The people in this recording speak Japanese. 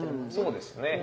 そうですね。